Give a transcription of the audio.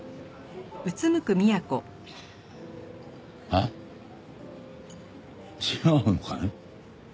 あっ違うのかね？